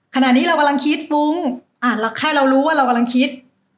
ขณะนี้เรากำลังคิดฟุ้งแค่เรารู้ว่าเรากำลังคิด